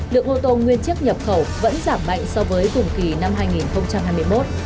lượng ô tô nguyên chiếc nhập khẩu vẫn giảm mạnh so với cùng kỳ năm hai nghìn hai mươi một